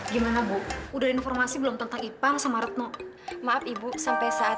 gimana bu udah informasi belum tentang ipang sama retno maaf ibu sampai saat